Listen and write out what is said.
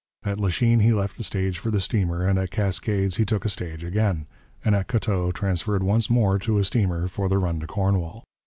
At Lachine he left the stage for the steamer, at the Cascades he took a stage again, and at Côteau transferred once more to a steamer for the run to Cornwall.